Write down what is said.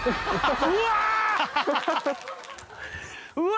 うわ！